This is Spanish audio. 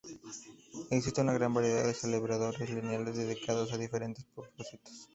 Existe una gran variedad de aceleradores lineales, dedicados a diferentes propósitos.